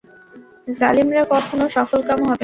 জালিমরা কখনও সফলকাম হবে না।